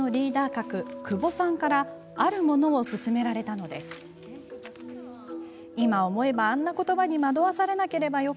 格久保さんからあるものを勧められたのです。